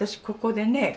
ここでね